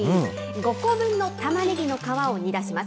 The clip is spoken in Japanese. ５個分のタマネギの皮を煮出します。